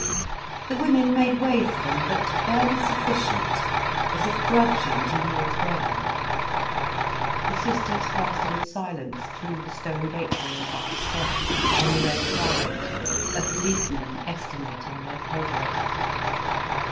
The women made way for them, but barely sufficient, as if grudging to yield ground. The sisters passed in silence through the stone gateway and up the steps, on the red carpet, a policeman estimating their progress.